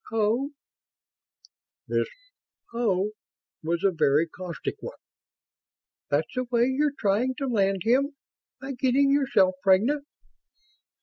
"Oh." This "oh" was a very caustic one. "That's the way you're trying to land him? By getting yourself pregnant?"